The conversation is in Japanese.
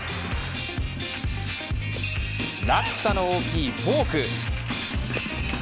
落差の大きいフォーク。